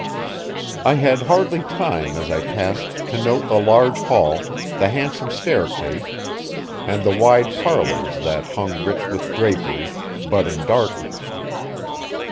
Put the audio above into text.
I had hardly time as I passed to note the large hall, the handsome staircase, and the wide parlors that hung rich with drapery, but in darkness.